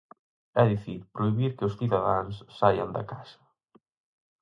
É dicir, prohibir que os cidadáns saian da casa.